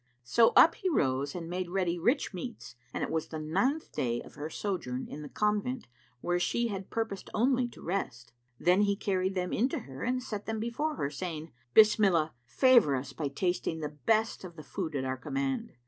So up he rose and made ready rich meats, and it was the ninth day of her sojourn in the convent where she had purposed only to rest. Then he carried them in to her and set them before her, saying, "Bismillah, favour us by tasting the best of the food at our command."